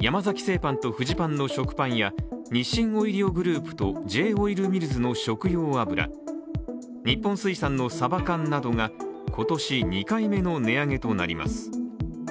山崎製パンとフジパンの食パンや日清オイリオグループとＪ−オイルミルズの食用油日本水産のさば缶などが今年２回目の値上げとなります。